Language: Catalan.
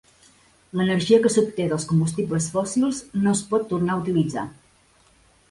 L'energia que s'obté dels combustibles fòssils no es pot tornar a utilitzar.